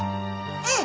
うん。